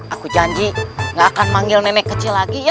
aku janji gak akan manggil nenek kecil lagi ya